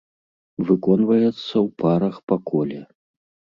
Выконваецца ў парах па коле.